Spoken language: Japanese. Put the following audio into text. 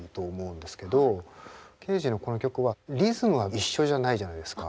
ケージのこの曲はリズムは一緒じゃないじゃないですか。